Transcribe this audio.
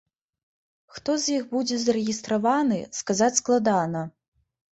Хто з іх будзе зарэгістраваны, сказаць складана.